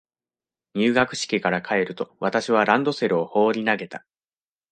入学式から帰ると、私はランドセルを放り投げた。